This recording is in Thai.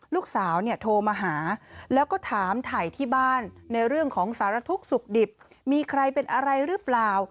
ลูกสาวเนี่ยโทรมาหาแล้วก็ถามถ่ายที่บ้านในเรื่องของสารทุกข์สุขดิบมีใครเป็นอะไรหรือเปล่า